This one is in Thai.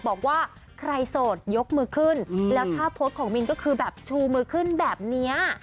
บอกว่าใครโสดยกมือขึ้นแล้วถ้าโพสต์ของมินก็คือแบบชูมือขึ้นแบบนี้